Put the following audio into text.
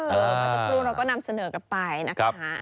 เมื่อสักครู่เราก็นำเสนอกันไปนะคะ